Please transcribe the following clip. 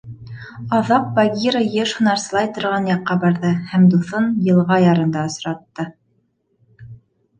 Аҙаҡ Багира йыш һунарсылай торған яҡҡа барҙы һәм дуҫын йылға ярында осратты.